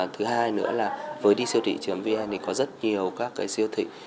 thứ hai nữa là với disiêu thị vn thì có rất nhiều các cái siêu thị